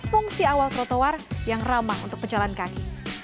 fungsi awal trotoar yang ramah untuk pejalan kaki